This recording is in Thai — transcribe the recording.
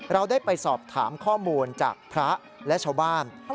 เราได้ไปสอบถามข้อมูลจากพระและชาวบ้าน